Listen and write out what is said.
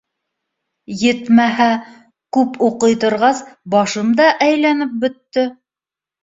Етмәһә, күп уҡый торғас, башым да әйләнеп бөттө.